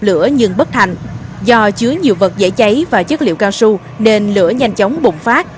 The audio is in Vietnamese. lửa nhưng bất thành do chứa nhiều vật dễ cháy và chất liệu cao su nên lửa nhanh chóng bùng phát